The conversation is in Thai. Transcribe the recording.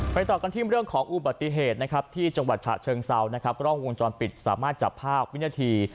ต่อกันที่เรื่องของอุบัติเหตุนะครับที่จังหวัดฉะเชิงเซานะครับกล้องวงจรปิดสามารถจับภาพวินาที